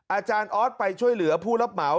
อาจารย์ออสไปช่วยเหลือผู้รับเหมา